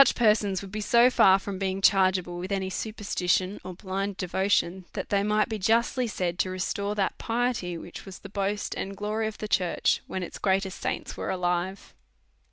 9lf persons would be so far from being chargeable with any superstition or blind devotion^ that they might be justly said to restore that piety which was the boast and glory of the church when its greatest saints were alive.